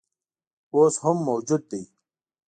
اوس هم موجود دی.